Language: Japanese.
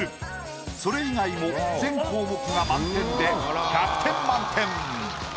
それ以外も全項目が満点で１００点満点。